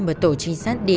mở tổ trinh sát đi